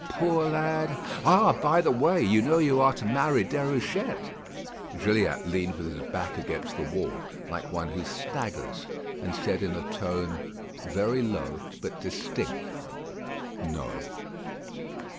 Poor lad! Ah! by the way, you know you are to marry Déruchette." Gilliatt leaned with his back against the wall, like one who staggers, and said in a tone very low, but distinct: "No."